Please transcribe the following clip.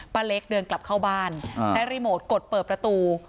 เล็กเดินกลับเข้าบ้านใช้รีโมทกดเปิดประตู